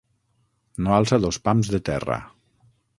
No alça dos pams de terra.